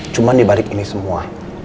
cuman dibalik ini semua